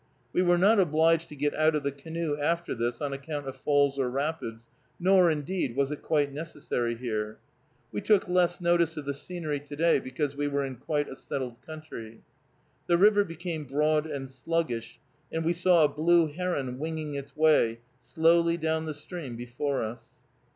We were not obliged to get out of the canoe after this on account of falls or rapids, nor, indeed, was it quite necessary here. We took less notice of the scenery to day, because we were in quite a settled country. The river became broad and sluggish, and we saw a blue heron winging its way slowly down the stream before us.